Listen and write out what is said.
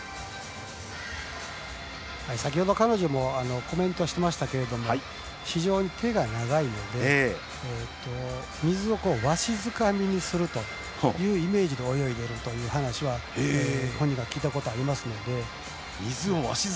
先ほど彼女もコメントしていましたが非常に手が長いので水をわしづかみにするイメージで泳いでいるという話は本人から聞いたことありますので。